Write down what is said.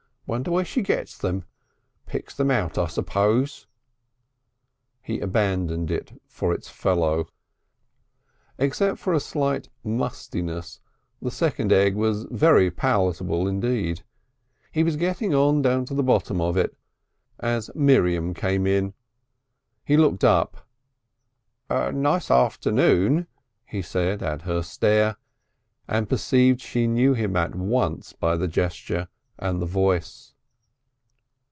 Wonder where she gets them! Picks them out, I suppose!" He abandoned it for its fellow. Except for a slight mustiness the second egg was very palatable indeed. He was getting on to the bottom of it as Miriam came in. He looked up. "Nice afternoon," he said at her stare, and perceived she knew him at once by the gesture and the voice.